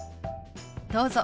どうぞ。